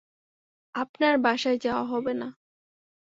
আপনার বাসায় যাওয়া হবে না।